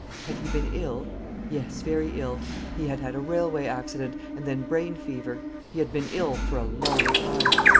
Had he been ill? Yes, very ill. He had had a railway accident, and then brain fever. He had been ill for a long time.